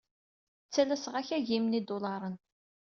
Ttalaseɣ-ak agim n yidulaṛen.